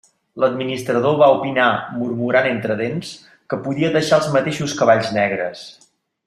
L'administrador va opinar, murmurant entre dents, que podia deixar els mateixos cavalls negres.